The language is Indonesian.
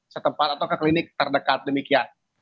setempat atau ke klinik terdekat demikian